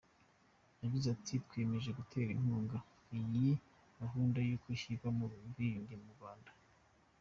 Yagize ati “Twiyemeje gutera inkunga iyi gahunda kuko ishyigikira ubwiyunge mu Rwanda.